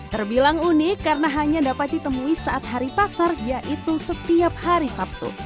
terbilang unik karena hanya dapat ditemui saat hari pasar yaitu setiap hari sabtu